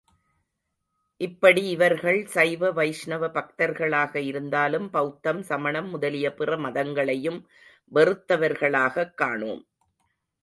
இப்படி இவர்கள் சைவ வைஷ்ணவ பக்தர்களாக இருந்தாலும், பௌத்தம், சமணம் முதலிய பிற மதங்களையும் வெறுத்தவர்களாகக் காணோம்.